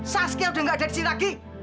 saski udah gak ada disini lagi